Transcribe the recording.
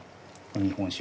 日本酒。